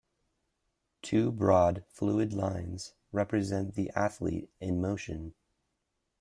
Two broad fluid lines represent the athlete in motion.